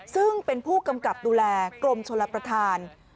ซึ่งเป็นผู้กำกับดูแลกรมชลประธาน